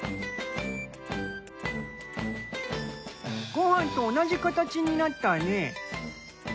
ご飯と同じ形になったね。